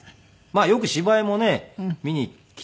よく芝居もね見にきて。